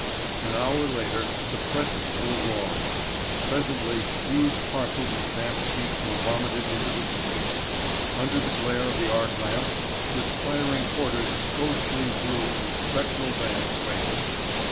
An hour later the presses were roaring: presently huge parcels of damp sheets were vomited into the street. Under the glare of the arc lamps perspiring porters ghostly blue and spectral vans waited.